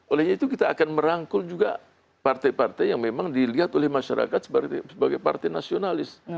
olehnya itu kita akan merangkul juga partai partai yang memang dilihat oleh masyarakat sebagai partai nasionalis